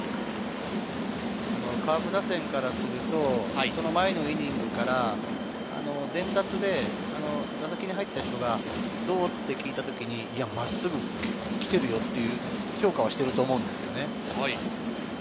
カープ打線からすると、前のイニングから伝達で、打席に入った人がどう？って聞いた時にいや、真っ直ぐ来てるよって評価はしてると思うんですね。